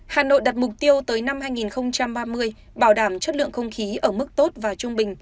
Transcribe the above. hà nội đặt mục tiêu tới năm hai nghìn ba mươi bảo đảm chất lượng không khí ở mức tốt và trung bình